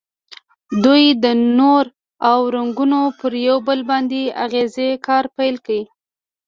دوی د نور او رنګونو پر یو بل باندې اغیزې کار پیل کړ.